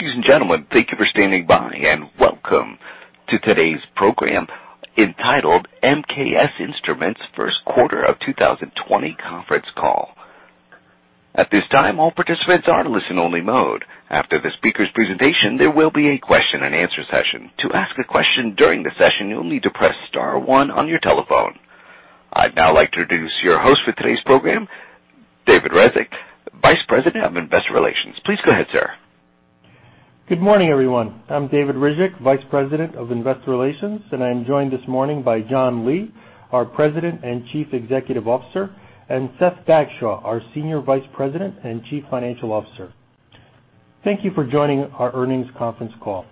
Ladies and gentlemen, thank you for standing by, and welcome to today's program, entitled MKS Instruments First Quarter of 2020 Conference Call. At this time, all participants are in listen-only mode. After the speaker's presentation, there will be a question-and-answer session. To ask a question during the session, you'll need to press star one on your telephone. I'd now like to introduce your host for today's program, David Ryzhik, Vice President of Investor Relations. Please go ahead, sir. Good morning, everyone. I'm David Ryzhik, Vice President of Investor Relations, and I'm joined this morning by John Lee, our President and Chief Executive Officer, and Seth Bagshaw, our Senior Vice President and Chief Financial Officer. Thank you for joining our earnings conference call.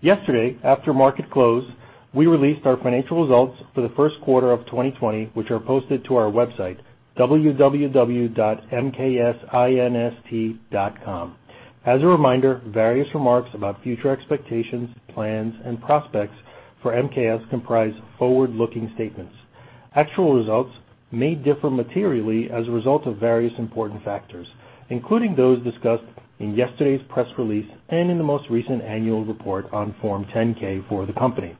Yesterday, after market close, we released our financial results for the first quarter of 2020, which are posted to our website, www.mksinst.com. As a reminder, various remarks about future expectations, plans, and prospects for MKS comprise forward-looking statements. Actual results may differ materially as a result of various important factors, including those discussed in yesterday's press release and in the most recent annual report on Form 10-K for the company.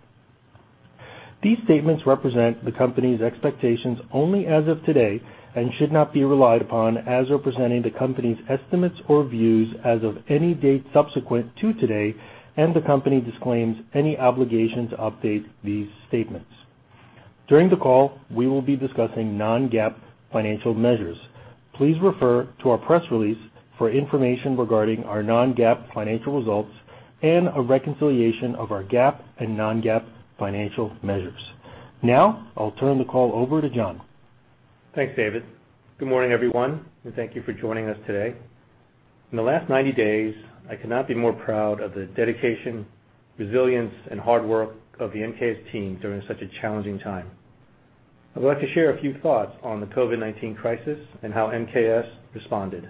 These statements represent the company's expectations only as of today and should not be relied upon as representing the company's estimates or views as of any date subsequent to today, and the company disclaims any obligation to update these statements. During the call, we will be discussing non-GAAP financial measures. Please refer to our press release for information regarding our non-GAAP financial results and a reconciliation of our GAAP and non-GAAP financial measures. Now, I'll turn the call over to John. Thanks, David. Good morning, everyone, and thank you for joining us today. In the last 90 days, I could not be more proud of the dedication, resilience, and hard work of the MKS team during such a challenging time. I'd like to share a few thoughts on the COVID-19 crisis and how MKS responded.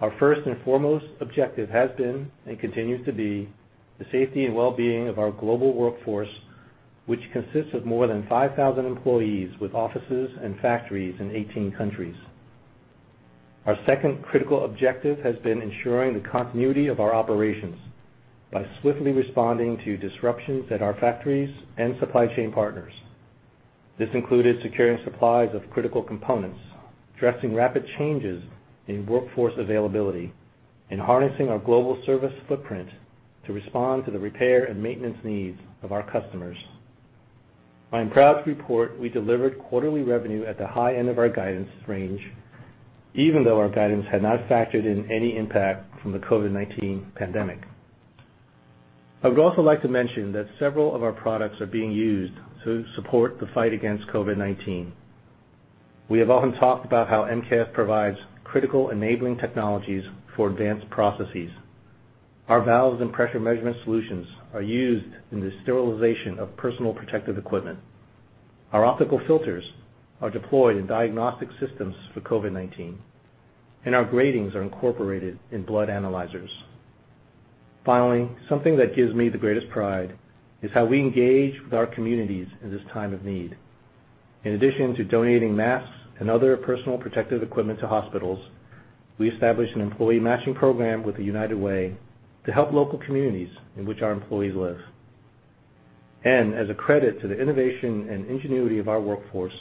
Our first and foremost objective has been, and continues to be, the safety and well-being of our global workforce, which consists of more than 5,000 employees with offices and factories in 18 countries. Our second critical objective has been ensuring the continuity of our operations by swiftly responding to disruptions at our factories and supply chain partners. This included securing supplies of critical components, addressing rapid changes in workforce availability, and harnessing our global service footprint to respond to the repair and maintenance needs of our customers. I am proud to report we delivered quarterly revenue at the high end of our guidance range, even though our guidance had not factored in any impact from the COVID-19 pandemic. I would also like to mention that several of our products are being used to support the fight against COVID-19. We have often talked about how MKS provides critical enabling technologies for advanced processes. Our valves and pressure measurement solutions are used in the sterilization of personal protective equipment. Our optical filters are deployed in diagnostic systems for COVID-19, and our gratings are incorporated in blood analyzers. Finally, something that gives me the greatest pride is how we engage with our communities in this time of need. In addition to donating masks and other personal protective equipment to hospitals, we established an employee matching program with the United Way to help local communities in which our employees live. As a credit to the innovation and ingenuity of our workforce,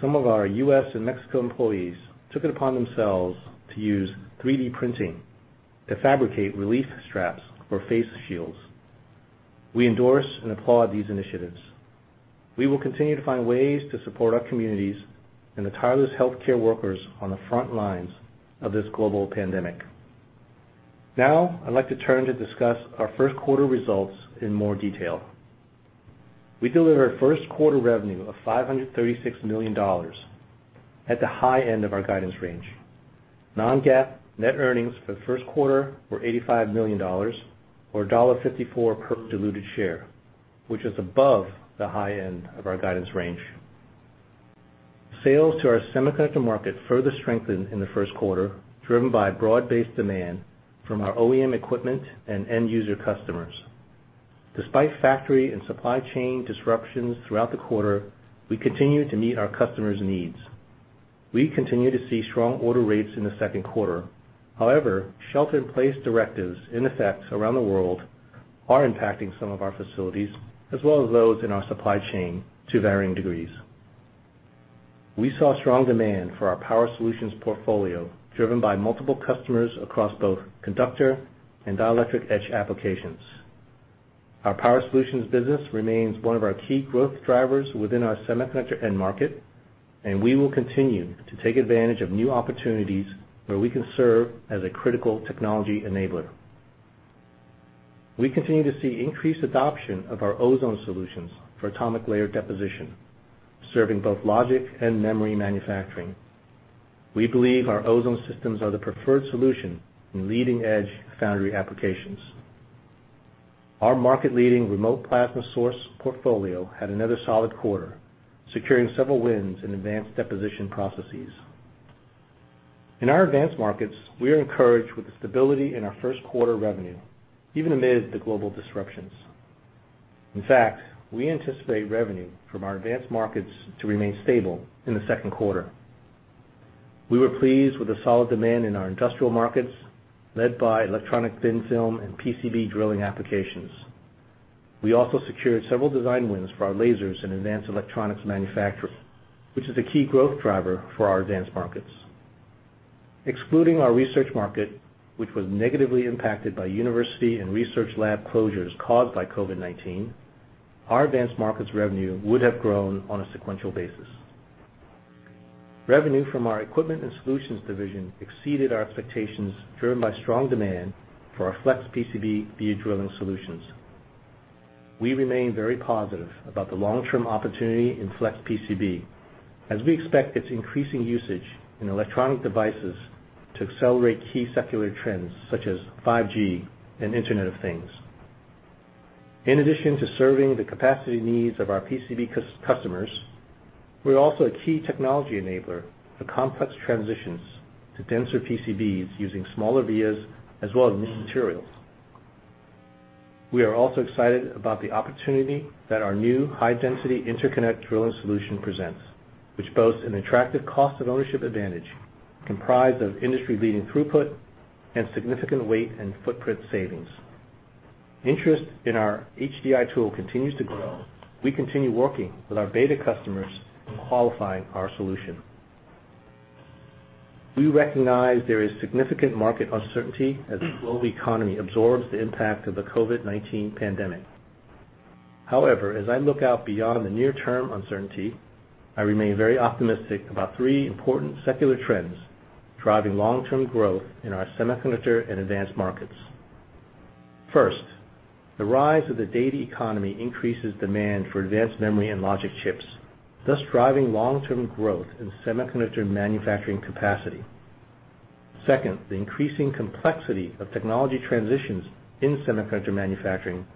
some of our US and Mexico employees took it upon themselves to use 3D printing to fabricate relief straps for face shields. We endorse and applaud these initiatives. We will continue to find ways to support our communities and the tireless healthcare workers on the front lines of this global pandemic. Now, I'd like to turn to discuss our first quarter results in more detail. We delivered first quarter revenue of $536 million at the high end of our guidance range. Non-GAAP net earnings for the first quarter were $85 million, or $1.54 per diluted share, which is above the high end of our guidance range. Sales to our semiconductor market further strengthened in the first quarter, driven by broad-based demand from our OEM equipment and end user customers. Despite factory and supply chain disruptions throughout the quarter, we continued to meet our customers' needs. We continue to see strong order rates in the second quarter. However, shelter-in-place directives in effect around the world are impacting some of our facilities, as well as those in our supply chain to varying degrees. We saw strong demand for our power solutions portfolio, driven by multiple customers across both conductor etch and dielectric etch applications. Our power solutions business remains one of our key growth drivers within our semiconductor end market, and we will continue to take advantage of new opportunities where we can serve as a critical technology enabler. We continue to see increased adoption of our ozone solutions for Atomic Layer Deposition, serving both logic and memory manufacturing. We believe our ozone systems are the preferred solution in leading-edge foundry applications. Our market-leading remote plasma source portfolio had another solid quarter, securing several wins in advanced deposition processes. In our advanced markets, we are encouraged with the stability in our first quarter revenue, even amid the global disruptions. In fact, we anticipate revenue from our advanced markets to remain stable in the second quarter. We were pleased with the solid demand in our industrial markets, led by electronic thin film and PCB drilling applications. We also secured several design wins for our lasers in advanced electronics manufacturing, which is a key growth driver for our advanced markets. Excluding our research market, which was negatively impacted by university and research lab closures caused by COVID-19, our advanced markets revenue would have grown on a sequential basis. Revenue from our Equipment and Solutions Division exceeded our expectations, driven by strong demand for our Flex PCB via drilling solutions. We remain very positive about the long-term opportunity in flex PCB, as we expect its increasing usage in electronic devices to accelerate key secular trends such as 5G and Internet of Things. In addition to serving the capacity needs of our PCB customers, we're also a key technology enabler for complex transitions to denser PCBs using smaller vias as well as new materials. We are also excited about the opportunity that our new high-density interconnect drilling solution presents, which boasts an attractive cost of ownership advantage, comprised of industry-leading throughput and significant weight and footprint savings. Interest in our HDI tool continues to grow. We continue working with our beta customers in qualifying our solution. We recognize there is significant market uncertainty as the global economy absorbs the impact of the COVID-19 pandemic. However, as I look out beyond the near-term uncertainty, I remain very optimistic about three important secular trends driving long-term growth in our semiconductor and advanced markets. First, the rise of the data economy increases demand for advanced memory and logic chips, thus driving long-term growth in semiconductor manufacturing capacity. Second, the increasing complexity of technology transitions in semiconductor manufacturing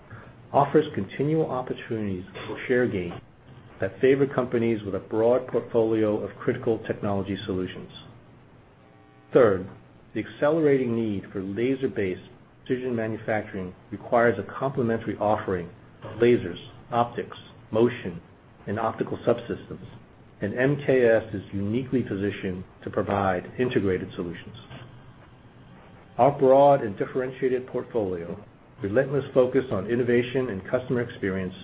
offers continual opportunities for share gain that favor companies with a broad portfolio of critical technology solutions. Third, the accelerating need for laser-based precision manufacturing requires a complementary offering of lasers, optics, motion, and optical subsystems, and MKS is uniquely positioned to provide integrated solutions. Our broad and differentiated portfolio, relentless focus on innovation and customer experience,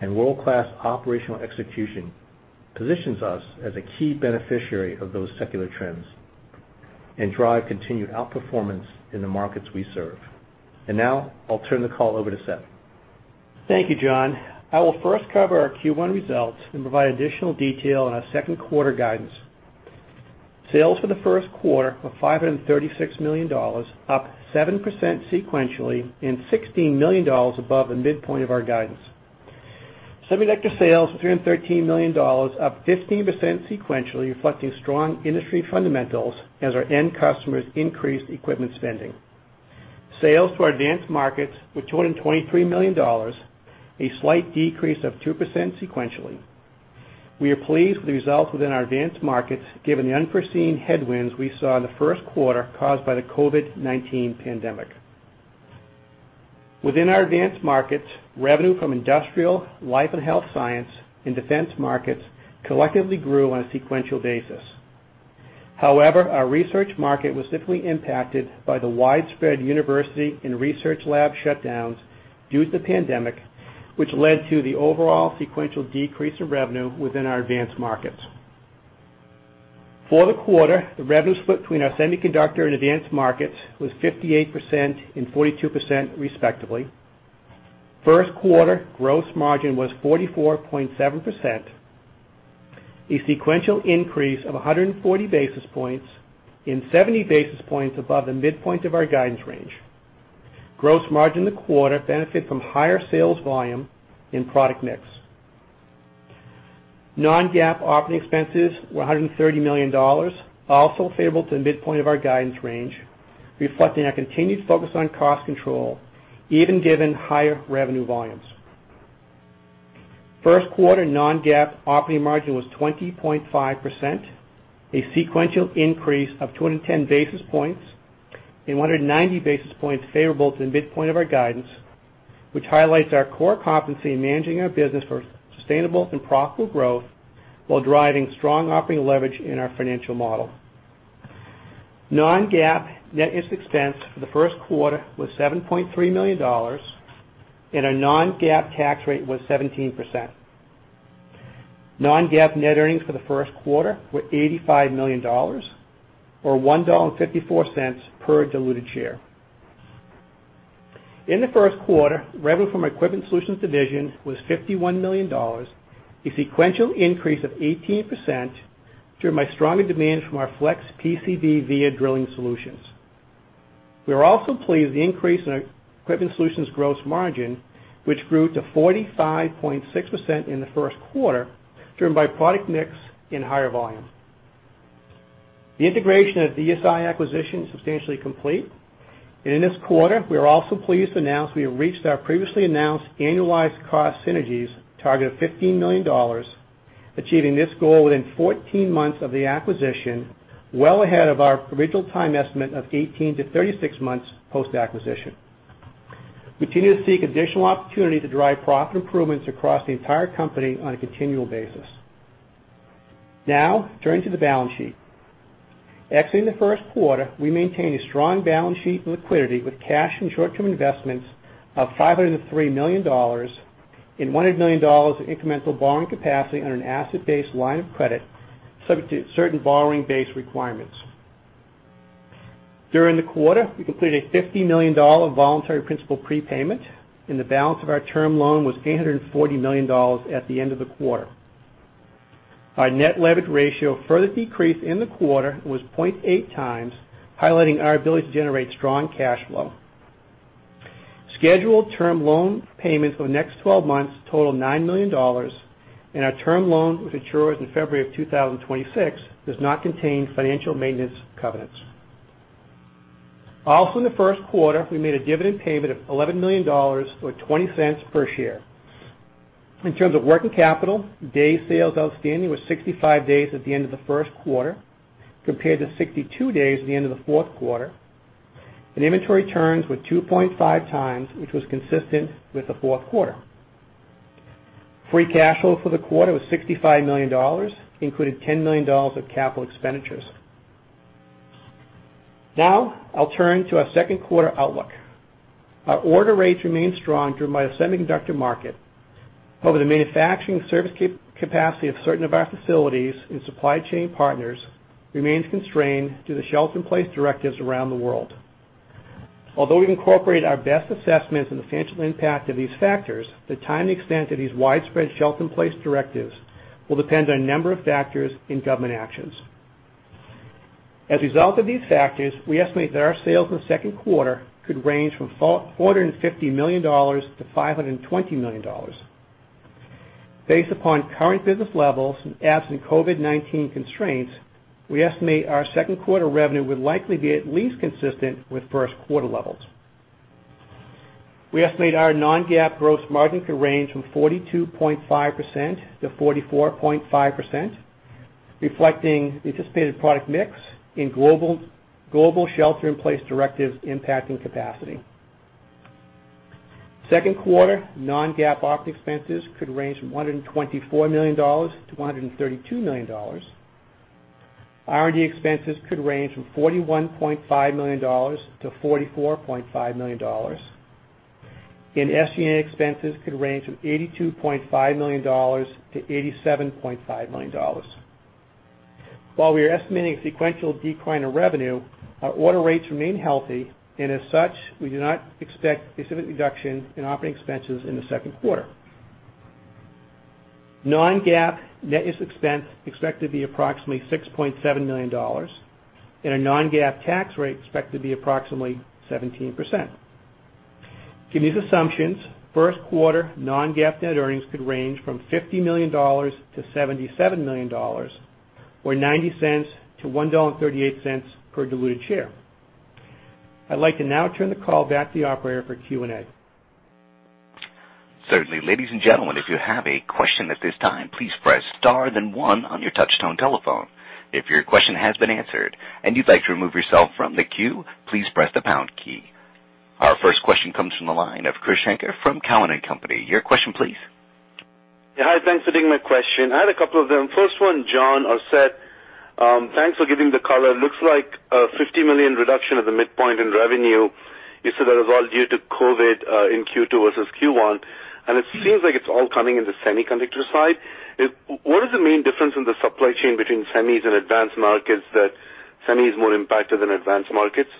and world-class operational execution positions us as a key beneficiary of those secular trends and drive continued outperformance in the markets we serve. And now, I'll turn the call over to Seth. Thank you, John. I will first cover our Q1 results and provide additional detail on our second quarter guidance. Sales for the first quarter were $536 million, up 7% sequentially, and $16 million above the midpoint of our guidance. Semiconductor sales, $313 million, up 15% sequentially, reflecting strong industry fundamentals as our end customers increased equipment spending. Sales to our advanced markets were $223 million, a slight decrease of 2% sequentially. We are pleased with the results within our advanced markets, given the unforeseen headwinds we saw in the first quarter caused by the COVID-19 pandemic. Within our advanced markets, revenue from industrial, life and health science, and defense markets collectively grew on a sequential basis. However, our research market was significantly impacted by the widespread university and research lab shutdowns due to the pandemic, which led to the overall sequential decrease in revenue within our advanced markets. For the quarter, the revenue split between our semiconductor and advanced markets was 58% and 42%, respectively. First quarter gross margin was 44.7%, a sequential increase of 140 basis points and 70 basis points above the midpoint of our guidance range. Gross margin in the quarter benefited from higher sales volume and product mix. Non-GAAP operating expenses were $130 million, also favorable to the midpoint of our guidance range, reflecting our continued focus on cost control, even given higher revenue volumes. First quarter non-GAAP operating margin was 20.5%, a sequential increase of 210 basis points and 190 basis points favorable to the midpoint of our guidance, which highlights our core competency in managing our business for sustainable and profitable growth while driving strong operating leverage in our financial model. Non-GAAP net interest expense for the first quarter was $7.3 million, and our non-GAAP tax rate was 17%. Non-GAAP net earnings for the first quarter were $85 million, or $1.54 per diluted share. In the first quarter, revenue from our Equipment Solutions division was $51 million, a sequential increase of 18%, driven by stronger demand from our Flex PCB via drilling solutions. We are also pleased with the increase in our Equipment and Solutions gross margin, which grew to 45.6% in the first quarter, driven by product mix and higher volumes. The integration of the ESI acquisition is substantially complete, and in this quarter, we are also pleased to announce we have reached our previously announced annualized cost synergies target of $15 million, achieving this goal within 14 months of the acquisition, well ahead of our original time estimate of 18-36 months post-acquisition. We continue to seek additional opportunity to drive profit improvements across the entire company on a continual basis. Now, turning to the balance sheet. Exiting the first quarter, we maintained a strong balance sheet liquidity with cash and short-term investments of $503 million and $100 million of incremental borrowing capacity on an asset-based line of credit, subject to certain borrowing base requirements. During the quarter, we completed a $50 million voluntary principal prepayment, and the balance of our term loan was $840 million at the end of the quarter. Our net leverage ratio further decreased in the quarter and was 0.8 times, highlighting our ability to generate strong cash flow. Scheduled term loan payments for the next twelve months total $9 million, and our term loan, which matures in February 2026, does not contain financial maintenance covenants. Also, in the first quarter, we made a dividend payment of $11 million, or $0.20 per share. In terms of working capital, days sales outstanding was 65 days at the end of the first quarter, compared to 62 days at the end of the fourth quarter. Inventory turns were 2.5 times, which was consistent with the fourth quarter. Free cash flow for the quarter was $65 million, including $10 million of capital expenditures. Now, I'll turn to our second quarter outlook. Our order rates remain strong, driven by the semiconductor market. However, the manufacturing service capacity of certain of our facilities and supply chain partners remains constrained due to the shelter-in-place directives around the world. Although we've incorporated our best assessments and the financial impact of these factors, the time and extent of these widespread shelter-in-place directives will depend on a number of factors and government actions. As a result of these factors, we estimate that our sales in the second quarter could range from $450 million to $520 million. Based upon current business levels and absent COVID-19 constraints, we estimate our second quarter revenue would likely be at least consistent with first quarter levels. We estimate our non-GAAP gross margin could range from 42.5% to 44.5%, reflecting anticipated product mix in global shelter-in-place directives impacting capacity. Second quarter non-GAAP operating expenses could range from $124 million to $132 million. R&D expenses could range from $41.5 million to $44.5 million, and SG&A expenses could range from $82.5 million to $87.5 million. While we are estimating a sequential decline in revenue, our order rates remain healthy, and as such, we do not expect a significant reduction in operating expenses in the second quarter. Non-GAAP net interest expense expected to be approximately $6.7 million, and our non-GAAP tax rate expected to be approximately 17%. Given these assumptions, first quarter non-GAAP net earnings could range from $50 million-$77 million, or $0.90-$1.38 per diluted share. I'd like to now turn the call back to the operator for Q&A. Certainly. Ladies and gentlemen, if you have a question at this time, please press star then one on your touchtone telephone. If your question has been answered and you'd like to remove yourself from the queue, please press the pound key. Our first question comes from the line of Krish Sankar from Cowen and Company. Your question please. Yeah, hi, thanks for taking my question. I had a couple of them. First one, John or Seth, thanks for giving the color. It looks like a $50 million reduction at the midpoint in revenue. You said that was all due to COVID in Q2 versus Q1, and it seems like it's all coming in the semiconductor side. What is the main difference in the supply chain between semis and advanced markets that semi is more impacted than advanced markets?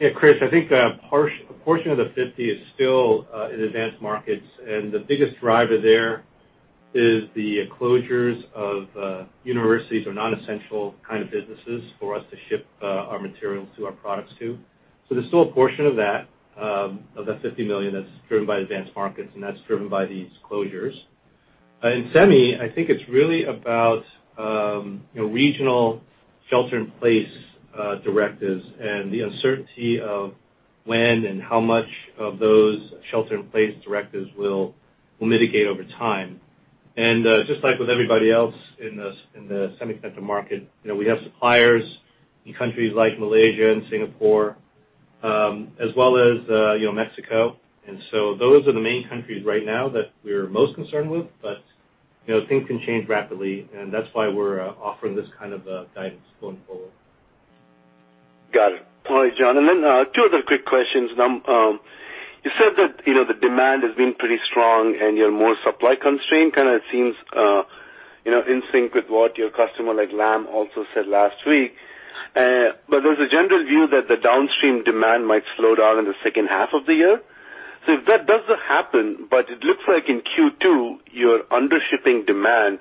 Yeah, Krish, I think a portion of the 50 is still in advanced markets, and the biggest driver there is the closures of universities or non-essential kind of businesses for us to ship our materials to our products to. So there's still a portion of that $50 million that's driven by advanced markets, and that's driven by these closures. In semi, I think it's really about you know, regional shelter-in-place directives and the uncertainty of when and how much of those shelter-in-place directives will mitigate over time. And just like with everybody else in the semiconductor market, you know, we have suppliers in countries like Malaysia and Singapore, as well as you know, Mexico. And so those are the main countries right now that we're most concerned with, but, you know, things can change rapidly, and that's why we're offering this kind of guidance going forward. Got it. All right, John, and then, two other quick questions. You said that, you know, the demand has been pretty strong, and you're more supply constrained. Kind of seems, you know, in sync with what your customer, like Lam, also said last week. But there's a general view that the downstream demand might slow down in the second half of the year. So if that does happen, but it looks like in Q2, you're under shipping demand,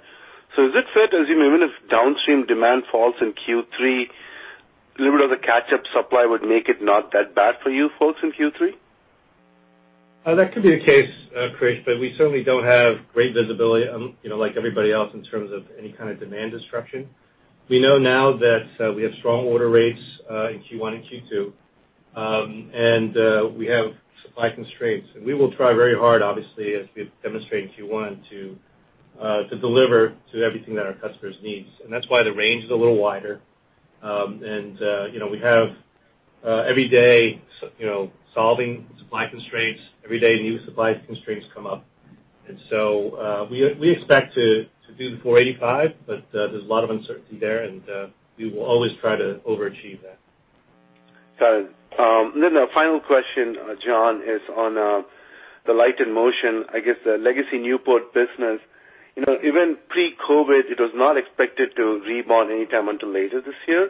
so is it fair to assume even if downstream demand falls in Q3, a little bit of the catch-up supply would make it not that bad for you folks in Q3? That could be the case, Krish, but we certainly don't have great visibility, you know, like everybody else, in terms of any kind of demand disruption. We know now that we have strong order rates in Q1 and Q2, and we have supply constraints. And we will try very hard, obviously, as we've demonstrated in Q1, to-... to deliver to everything that our customers needs. And that's why the range is a little wider. You know, we have every day, you know, solving supply constraints. Every day, new supply constraints come up. And so, we expect to do the $485 million, but there's a lot of uncertainty there, and we will always try to overachieve that. Got it. And then the final question, John, is on the Light and Motion, I guess, the legacy Newport business. You know, even pre-COVID, it was not expected to rebound anytime until later this year.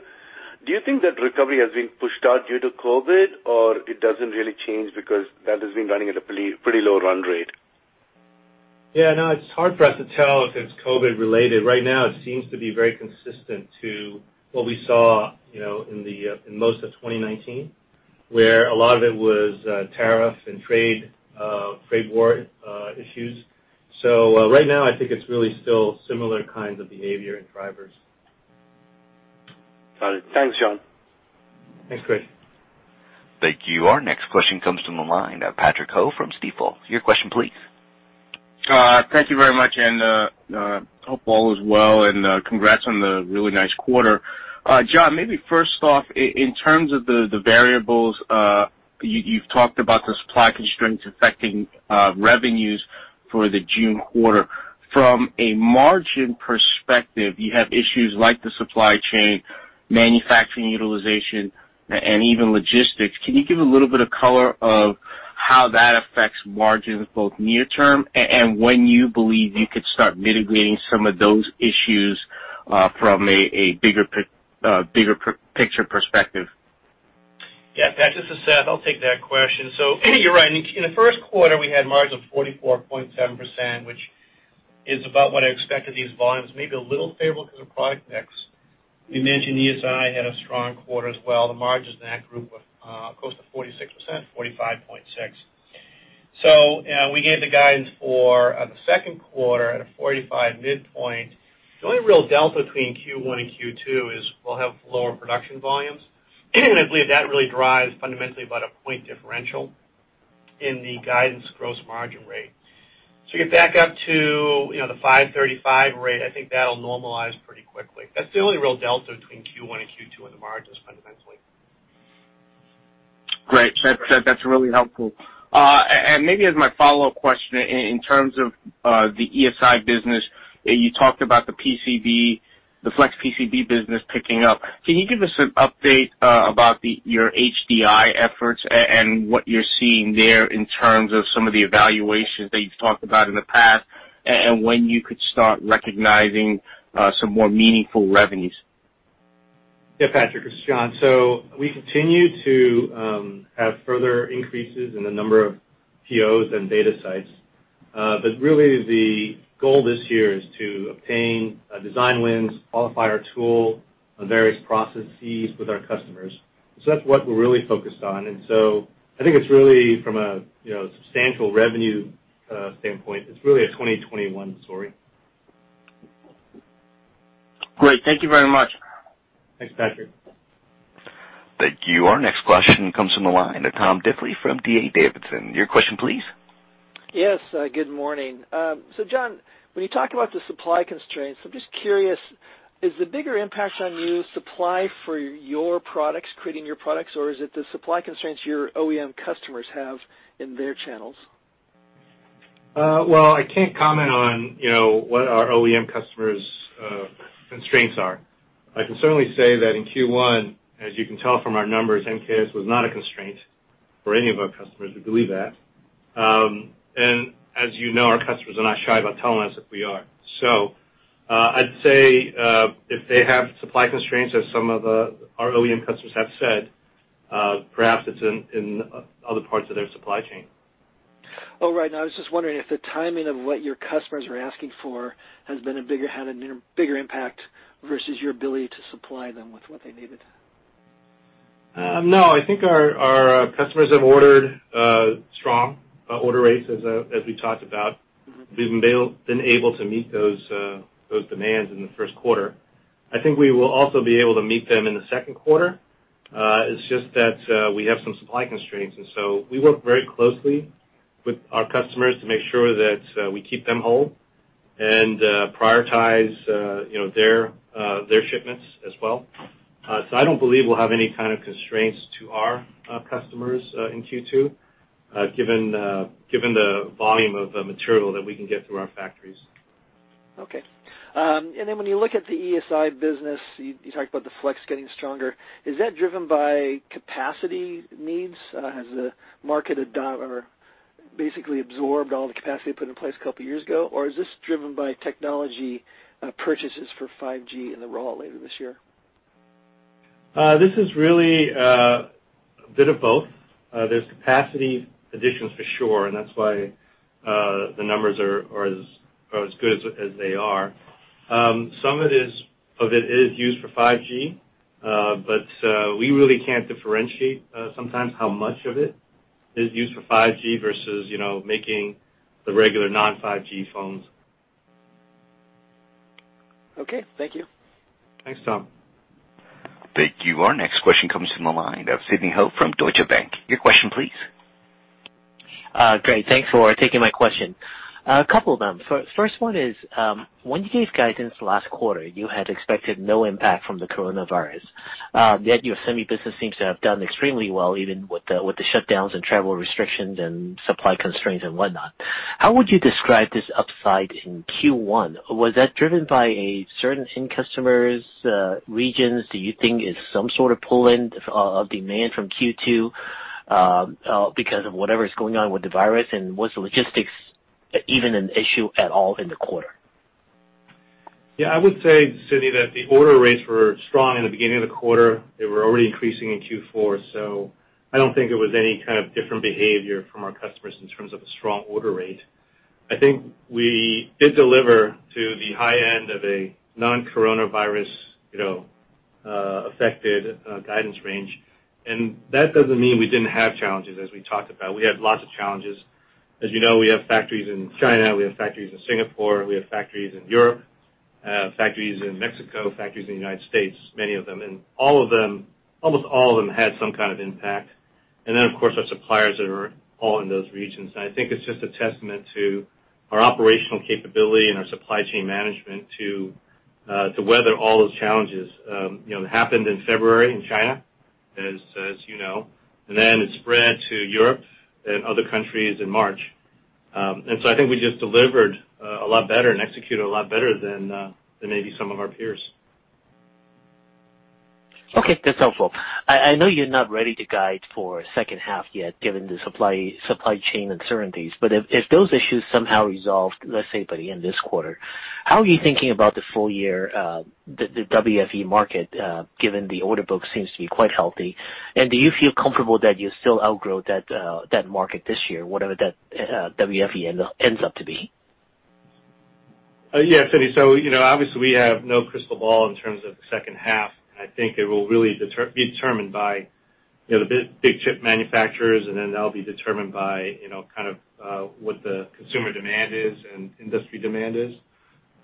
Do you think that recovery has been pushed out due to COVID, or it doesn't really change because that has been running at a pretty, pretty low run rate? Yeah, no, it's hard for us to tell if it's COVID related. Right now, it seems to be very consistent to what we saw, you know, in most of 2019, where a lot of it was tariff and trade, trade war issues. So, right now, I think it's really still similar kinds of behavior and drivers. Got it. Thanks, John. Thanks, Krish. Thank you. Our next question comes from the line, Patrick Ho from Stifel. Your question, please. Thank you very much, and hope all is well, and congrats on the really nice quarter. John, maybe first off, in terms of the variables, you've talked about the supply constraints affecting revenues for the June quarter. From a margin perspective, you have issues like the supply chain, manufacturing utilization, and even logistics. Can you give a little bit of color of how that affects margins, both near term, and when you believe you could start mitigating some of those issues, from a bigger picture perspective? Yeah, Patrick, this is Seth. I'll take that question. So you're right. In the first quarter, we had margin of 44.7%, which is about what I expected these volumes, maybe a little favorable because of product mix. We mentioned ESI had a strong quarter as well. The margins in that group were close to 46%, 45.6%. So, we gave the guidance for the second quarter at a 45 midpoint. The only real delta between Q1 and Q2 is we'll have lower production volumes. And I believe that really drives fundamentally about a point differential in the guidance gross margin rate. So you get back up to, you know, the 53.5% rate, I think that'll normalize pretty quickly. That's the only real delta between Q1 and Q2 in the margins, fundamentally. Great. That's, that's really helpful. And maybe as my follow-up question, in terms of the ESI business, you talked about the PCB, the flex PCB business picking up. Can you give us an update about your HDI efforts and what you're seeing there in terms of some of the evaluations that you've talked about in the past, and when you could start recognizing some more meaningful revenues? Yeah, Patrick, this is John. So we continue to have further increases in the number of POs and data sites. But really the goal this year is to obtain design wins, qualify our tool on various processes with our customers. So that's what we're really focused on, and so I think it's really from a, you know, substantial revenue standpoint, it's really a 2021 story. Great. Thank you very much. Thanks, Patrick. Thank you. Our next question comes from the line, Tom Diffely from D.A. Davidson. Your question, please. Yes, good morning. So John, when you talk about the supply constraints, I'm just curious, is the bigger impact on you supply for your products, creating your products, or is it the supply constraints your OEM customers have in their channels? Well, I can't comment on, you know, what our OEM customers' constraints are. I can certainly say that in Q1, as you can tell from our numbers, MKS was not a constraint for any of our customers, we believe that. And as you know, our customers are not shy about telling us if we are. So, I'd say, if they have supply constraints, as some of our OEM customers have said, perhaps it's in other parts of their supply chain. Oh, right. I was just wondering if the timing of what your customers are asking for had a bigger impact versus your ability to supply them with what they needed? No, I think our customers have ordered strong order rates, as we talked about. We've been able to meet those demands in the first quarter. I think we will also be able to meet them in the second quarter. It's just that we have some supply constraints, and so we work very closely with our customers to make sure that we keep them whole and prioritize, you know, their shipments as well. So I don't believe we'll have any kind of constraints to our customers in Q2, given the volume of the material that we can get through our factories. Okay. And then when you look at the ESI business, you, you talked about the flex getting stronger. Is that driven by capacity needs? Has the market adopted or basically absorbed all the capacity put in place a couple of years ago? Or is this driven by technology purchases for 5G in the rollout later this year? This is really a bit of both. There's capacity additions for sure, and that's why the numbers are as good as they are. Some of it is used for 5G, but we really can't differentiate sometimes how much of it is used for 5G versus, you know, making the regular non-5G phones.... Okay, thank you. Thanks, Tom. Thank you. Our next question comes from the line of Sidney Ho from Deutsche Bank. Your question, please. Great, thanks for taking my question. A couple of them. First one is, when you gave guidance last quarter, you had expected no impact from the coronavirus. Yet your semi business seems to have done extremely well, even with the shutdowns and travel restrictions and supply constraints and whatnot. How would you describe this upside in Q1? Was that driven by a certain end customers, regions that you think is some sort of pull-in of demand from Q2, because of whatever is going on with the virus? And was the logistics even an issue at all in the quarter? Yeah, I would say, Sidney, that the order rates were strong in the beginning of the quarter. They were already increasing in Q4, so I don't think it was any kind of different behavior from our customers in terms of a strong order rate. I think we did deliver to the high end of a non-coronavirus, you know, affected, guidance range. And that doesn't mean we didn't have challenges, as we talked about. We had lots of challenges. As you know, we have factories in China, we have factories in Singapore, we have factories in Europe, factories in Mexico, factories in the United States, many of them. And all of them, almost all of them, had some kind of impact. And then, of course, our suppliers that are all in those regions. And I think it's just a testament to our operational capability and our supply chain management to weather all those challenges. You know, it happened in February in China, as you know, and then it spread to Europe and other countries in March. And so I think we just delivered a lot better and executed a lot better than maybe some of our peers. Okay, that's helpful. I know you're not ready to guide for second half yet, given the supply chain uncertainties, but if those issues somehow resolved, let's say by the end of this quarter, how are you thinking about the full year, the WFE market, given the order book seems to be quite healthy? And do you feel comfortable that you'll still outgrow that market this year, whatever that WFE ends up to be? Yeah, Sidney. So, you know, obviously, we have no crystal ball in terms of the second half. I think it will really be determined by, you know, the big, big chip manufacturers, and then that'll be determined by, you know, kind of, what the consumer demand is and industry demand is.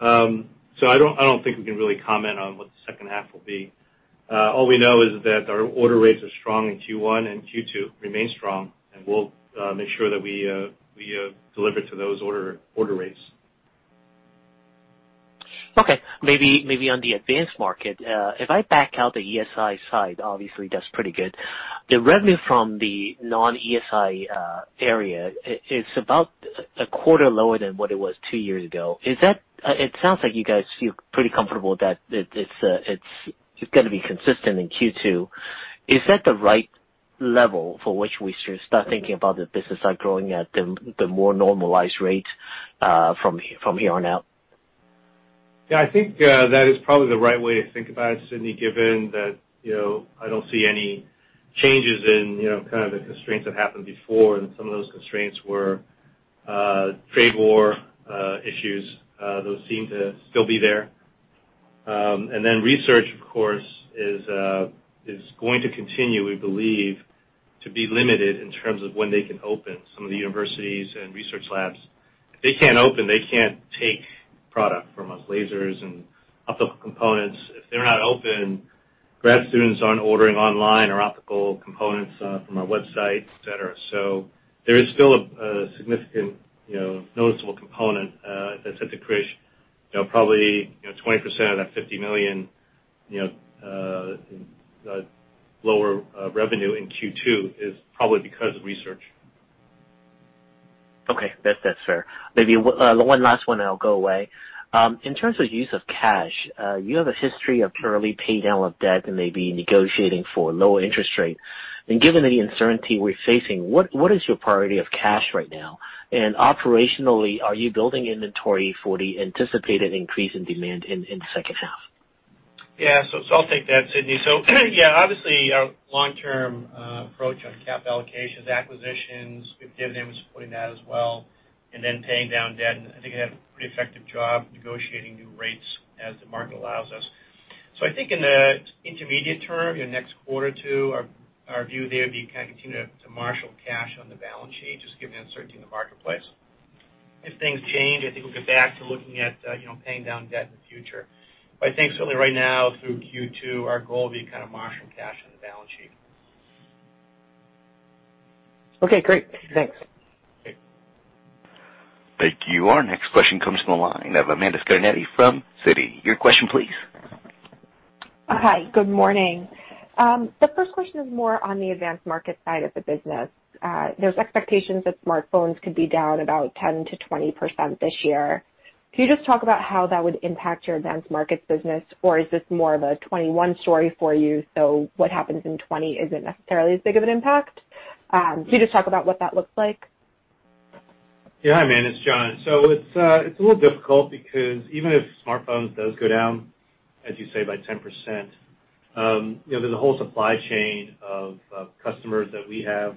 So I don't, I don't think we can really comment on what the second half will be. All we know is that our order rates are strong in Q1 and Q2 remain strong, and we'll make sure that we deliver to those order rates. Okay, maybe, maybe on the advanced market, if I back out the ESI side, obviously, that's pretty good. The revenue from the non-ESI area it's about a quarter lower than what it was two years ago. Is that it sounds like you guys feel pretty comfortable that it's gonna be consistent in Q2. Is that the right level for which we should start thinking about the business side growing at the more normalized rate from here on out? Yeah, I think that is probably the right way to think about it, Sidney, given that, you know, I don't see any changes in, you know, kind of the constraints that happened before, and some of those constraints were trade war issues. Those seem to still be there. And then research, of course, is going to continue, we believe, to be limited in terms of when they can open some of the universities and research labs. If they can't open, they can't take product from us, lasers and optical components. If they're not open, grad students aren't ordering online or optical components from our website, et cetera. So there is still a significant, you know, noticeable component that's had to create, you know, probably 20% of that $50 million, you know, lower revenue in Q2 is probably because of research. Okay. That's, that's fair. Maybe one last one, and I'll go away. In terms of use of cash, you have a history of purely pay down of debt and maybe negotiating for lower interest rate. And given the uncertainty we're facing, what, what is your priority of cash right now? And operationally, are you building inventory for the anticipated increase in demand in the second half? Yeah, so, so I'll take that, Sidney. So yeah, obviously, our long-term approach on capital allocations, acquisitions, we've given them supporting that as well, and then paying down debt, and I think we have a pretty effective job negotiating new rates as the market allows us. So I think in the intermediate term, you know, next quarter two, our view there would be kind of continue to marshal cash on the balance sheet, just given the uncertainty in the marketplace. If things change, I think we'll get back to looking at, you know, paying down debt in the future. But I think certainly right now through Q2, our goal will be kind of marshaling cash on the balance sheet. Okay, great. Thanks. Okay. Thank you. Our next question comes from the line of Amanda Scarnati from Citi. Your question, please. Hi, good morning. The first question is more on the advanced market side of the business. There's expectations that smartphones could be down about 10%-20% this year. Can you just talk about how that would impact your advanced markets business, or is this more of a 2021 story for you, so what happens in 2020 isn't necessarily as big of an impact? Can you just talk about what that looks like? Yeah, hi, Amanda, it's John. So it's a little difficult because even if smartphones does go down, as you say, by 10%, you know, there's a whole supply chain of customers that we have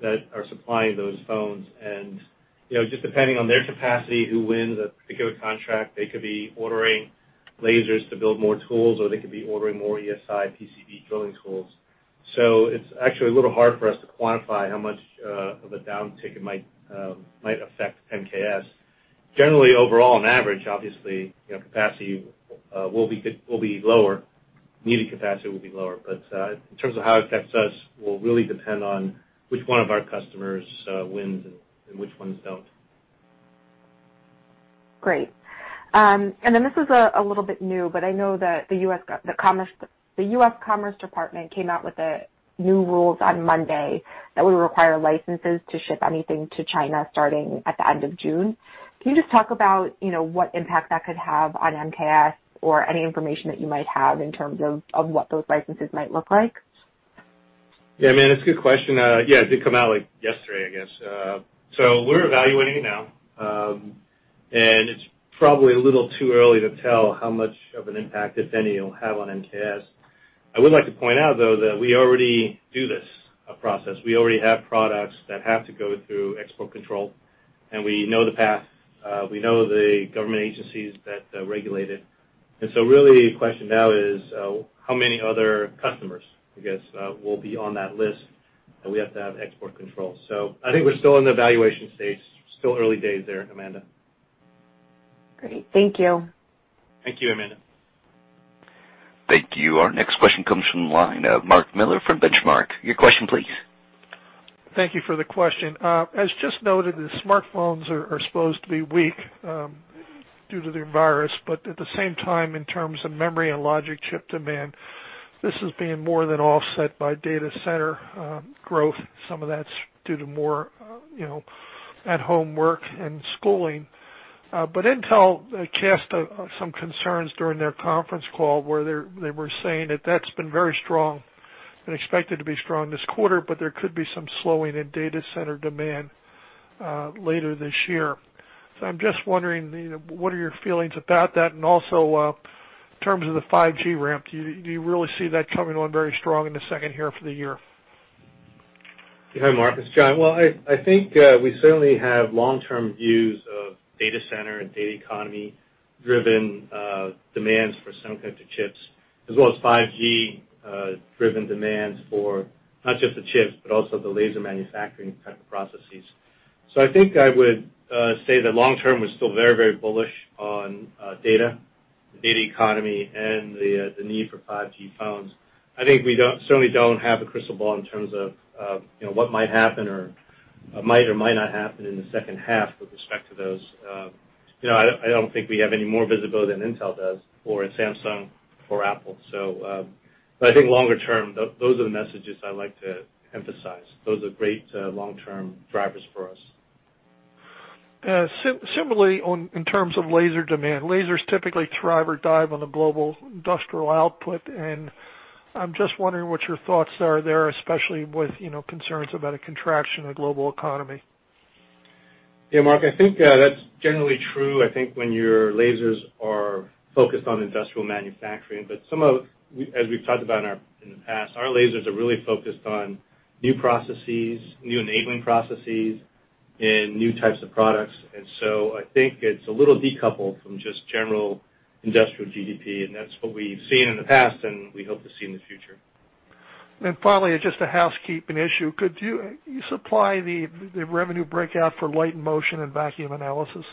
that are supplying those phones. And, you know, just depending on their capacity, who wins a particular contract, they could be ordering lasers to build more tools, or they could be ordering more ESI, PCB drilling tools. So it's actually a little hard for us to quantify how much of a downtick it might affect MKS. Generally, overall, on average, obviously, you know, capacity will be lower, needed capacity will be lower. But in terms of how it affects us, will really depend on which one of our customers wins and which ones don't. Great. And then this is a little bit new, but I know that the U.S. Commerce Department came out with the new rules on Monday that would require licenses to ship anything to China, starting at the end of June. Can you just talk about, you know, what impact that could have on MKS, or any information that you might have in terms of what those licenses might look like? Yeah, I mean, it's a good question. Yeah, it did come out, like, yesterday, I guess. So we're evaluating it now, and it's probably a little too early to tell how much of an impact, if any, it'll have on MKS. I would like to point out, though, that we already do this process. We already have products that have to go through export control, and we know the path, we know the government agencies that regulate it. And so really, the question now is, how many other customers, I guess, will be on that list, and we have to have export controls? So I think we're still in the evaluation stage. Still early days there, Amanda. Great. Thank you. Thank you, Amanda. Thank you. Our next question comes from the line of Mark Miller from Benchmark. Your question, please. Thank you for the question. As just noted, the smartphones are supposed to be weak due to the virus, but at the same time, in terms of memory and logic chip demand, this is being more than offset by data center growth. Some of that's due to more you know, at home work and schooling. But Intel cast some concerns during their conference call, where they were saying that that's been very strong and expected to be strong this quarter, but there could be some slowing in data center demand later this year. So I'm just wondering, you know, what are your feelings about that? And also, in terms of the 5G ramp, do you really see that coming on very strong in the second half of the year? Hi, Mark, it's John. Well, I think we certainly have long-term views of data center and data economy-driven demands for some types of chips, as well as 5G driven demands for not just the chips, but also the laser manufacturing type of processes. So I think I would say that long term, we're still very, very bullish on data, the data economy, and the need for 5G phones. I think we certainly don't have a crystal ball in terms of you know, what might happen or might not happen in the second half with respect to those. You know, I don't think we have any more visibility than Intel does or Samsung or Apple. So, but I think longer term, those are the messages I'd like to emphasize. Those are great, long-term drivers for us. Similarly, in terms of laser demand, lasers typically thrive or dive on the global industrial output, and I'm just wondering what your thoughts are there, especially with, you know, concerns about a contraction of the global economy. Yeah, Mark, I think that's generally true, I think, when your lasers are focused on industrial manufacturing. But as we've talked about in the past, our lasers are really focused on new processes, new enabling processes, and new types of products. And so I think it's a little decoupled from just general industrial GDP, and that's what we've seen in the past, and we hope to see in the future. And finally, just a housekeeping issue. Could you supply the revenue breakout for Light and Motion and Vacuum and Analysis?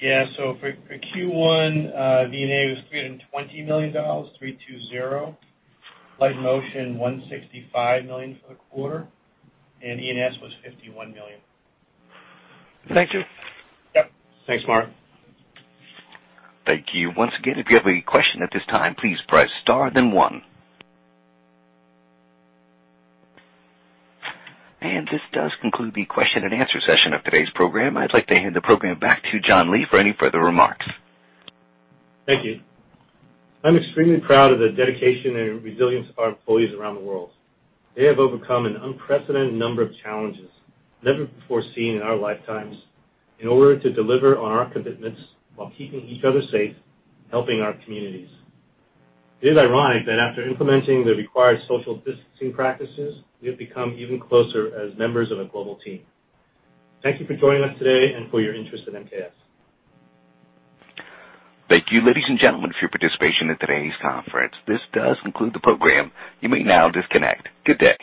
Yeah. So for Q1, V&A was $320 million, 320. Light and Motion, $165 million for the quarter, and E&S was $51 million. Thank you. Yep. Thanks, Mark. Thank you. Once again, if you have a question at this time, please press star then one. This does conclude the question and answer session of today's program. I'd like to hand the program back to John Lee for any further remarks. Thank you. I'm extremely proud of the dedication and resilience of our employees around the world. They have overcome an unprecedented number of challenges, never before seen in our lifetimes, in order to deliver on our commitments while keeping each other safe and helping our communities. It is ironic that after implementing the required social distancing practices, we have become even closer as members of a global team. Thank you for joining us today and for your interest in MKS. Thank you, ladies and gentlemen, for your participation in today's conference. This does conclude the program. You may now disconnect. Good day!